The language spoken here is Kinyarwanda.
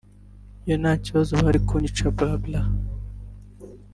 iyo ntabikora bari kunyica blablaaa